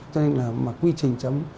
cho nên là mà quy trình chấm